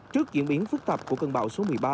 trước diễn biến phức tạp của cơn bão số một mươi ba